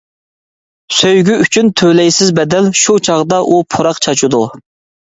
سۆيگۈ ئۈچۈن تۆلەيسىز بەدەل، شۇ چاغدا ئۇ پۇراق چاچىدۇ.